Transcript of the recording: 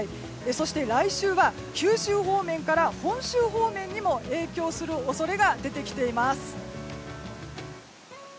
そして、来週は九州方面から本州方面にも影響する恐れが出てきています。